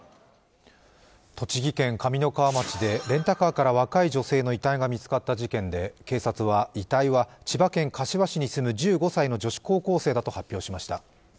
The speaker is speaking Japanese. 栃木県上三川町でレンタカーから若い女性の遺体が見つかった事件で警察は痛いは千葉県柏市に住む１５歳の女子高生だと発表しました。